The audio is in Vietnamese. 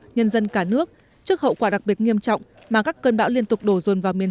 nhân dân cả nước trước hậu quả đặc biệt nghiêm trọng mà các cơn bão liên tục đổ dồn vào miền